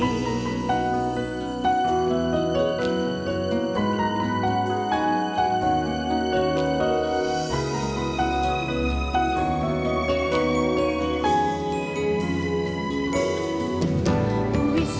yang terima kasih